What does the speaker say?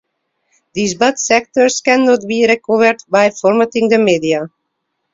These bad sectors cannot be recovered by formatting the media.